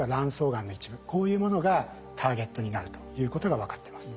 こういうものがターゲットになるということが分かってます。